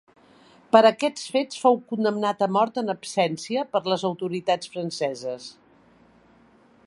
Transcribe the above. Per aquests fets fou condemnat a mort en absència per les autoritats franceses.